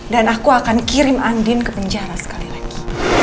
dan aku akan kirim andin ke penjara sekali lagi